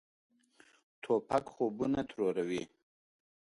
توپک خوبونه تروروي.